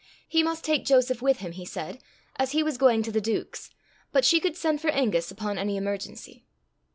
He must take Joseph with him, he said, as he was going to the Duke's, but she could send for Angus upon any emergency.